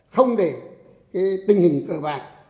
không để cái tình hình cơ bản